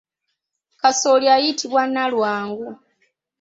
Kasooli ayitibwa nalwangu.